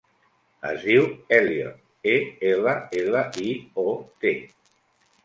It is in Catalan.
Es diu Elliot: e, ela, ela, i, o, te.